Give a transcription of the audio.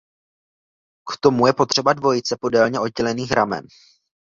K tomu je potřeba dvojice podélně oddělených ramen.